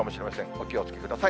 お気をつけください。